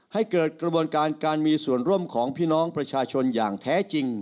ให้เกิดกระบวนการการมีส่วนร่วมของพี่น้องประชาชนอย่างแท้จริง